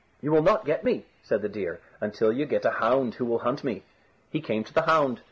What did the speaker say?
"You will not get me," said the deer, "until you get a hound who will hunt me." He came to the hound.